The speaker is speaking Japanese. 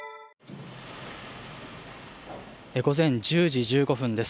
午前１０時１５分です。